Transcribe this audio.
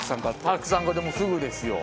たくさんもうすぐですよ。